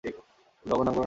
তুমি বাবুর নামকরণ করবে।